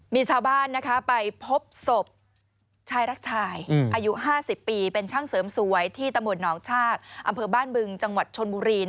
มีชาวบ้านไปพบศพชายรักชายอายุ๕๐ปีเป็นช่างเสริมสวยที่ตำรวจหนองชากอำเภอบ้านบึงจังหวัดชนบุรี